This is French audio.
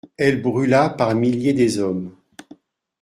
Elle brûla par milliers des hommes.